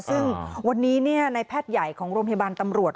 ซึ่งวันนี้ในแพทย์ใหญ่ของโรงพยาบาลตำรวจ